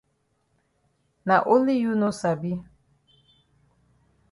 Na only you no sabi.